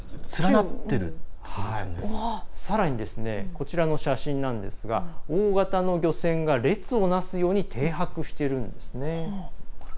さらに、こちらの写真なんですが大型の漁船が列を成すように停泊しているんです。